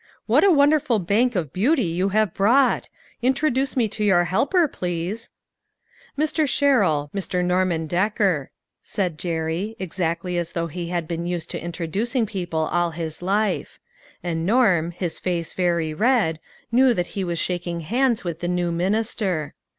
"What a wonderful bank of beauty you have brought ! Introduce me to your helper, please." "Mr. Sherrill, Mr. Norman Decker," said Jerry, exactly as though he had been used to introducing people all Ms life; and Norm, his face very red, knew that he was shaking hands with the new minister.